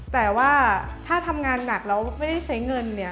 แต่ว่าถ้าทำงานหนักแล้วไม่ได้ใช้เงินเนี่ย